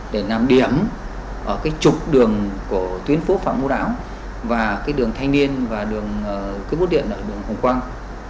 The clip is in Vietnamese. để làm điểm ở trục đường của tuyến phố phạm ngũ lão và đường thanh niên và đường cướp bốt điện ở đường hồng quang